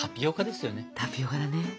タピオカだね。